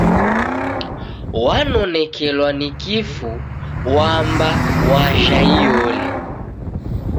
Wanonekelwa ni kifu wamba wajha iyole